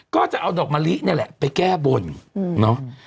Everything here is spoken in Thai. ก็จะเอาดอกมะลินี่แหละไปแก้บนเนาะ